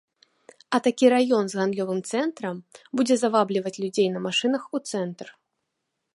А такі раён з гандлёвым цэнтрам будзе завабліваць людзей на машынах у цэнтр.